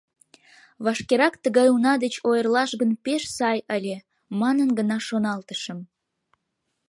«Вашкерак тыгай уна деч ойырлаш гын, пеш сай ыле», — манын гына шоналтышым.